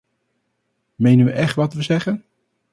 Menen we echt wat we zeggen?